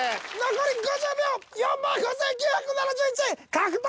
残り５０秒４５，９７１円獲得！